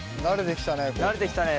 慣れてきたね。